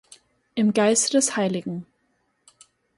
Im Geiste des Hl.